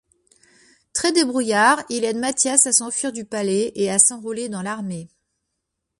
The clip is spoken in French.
Très débrouillard, il aide Mathias à s'enfuir du palais et à s'enrôler dans l'armée.